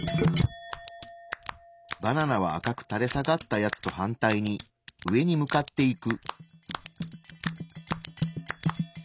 バナナは赤くたれ下がったやつと反対に上に向かっていく。